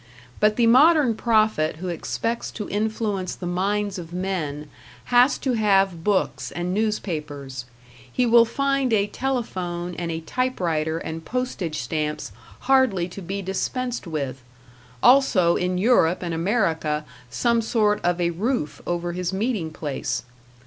But the modern prophet who expects to influence the minds of men has to have books and newspapers; he will find a telephone and a typewriter and postage stamps hardly to be dispensed with, also in Europe and America some sort of a roof over his meeting place.